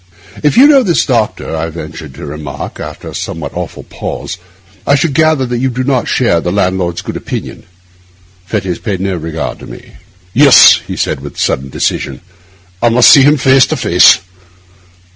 'If you know this doctor,' I ventured to remark, after a somewhat awful pause, 'I should gather that you do not share the landlord's good opinion.' Fettes paid no regard to me. 'Yes,' he said, with sudden decision, 'I must see him face to face.